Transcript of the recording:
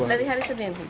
dari hari senin